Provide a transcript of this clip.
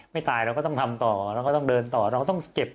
ยังไงเราก็ต้องสู้ยังไงเราก็ต้องไปต่อยังไงเราก็ไม่ตาย